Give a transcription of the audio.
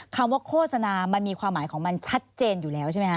คำว่าโฆษณามันมีความหมายของมันชัดเจนอยู่แล้วใช่ไหมคะ